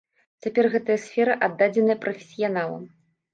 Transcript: Цяпер гэтая сфера аддадзеная прафесіяналам.